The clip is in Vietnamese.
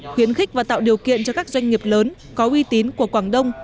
khuyến khích và tạo điều kiện cho các doanh nghiệp lớn có uy tín của quảng đông